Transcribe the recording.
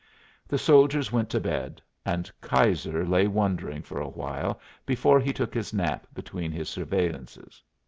The soldiers went to bed, and Keyser lay wondering for a while before he took his nap between his surveillances.